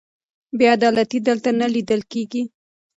بې عدالتي دلته نه لیدل کېږي.